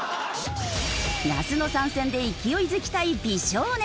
那須の参戦で勢いづきたい美少年。